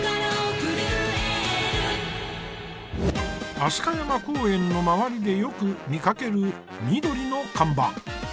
飛鳥山公園の周りでよく見かける緑の看板。